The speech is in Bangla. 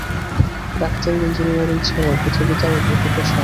ডাক্তারি, ইঞ্জিনিয়ারিং ছাড়াও পৃথিবীতে আরও বহু পেশা আছে।